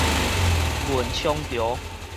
文昌橋